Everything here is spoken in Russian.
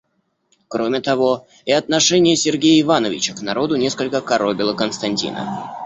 Кроме того, и отношение Сергея Ивановича к народу несколько коробило Константина.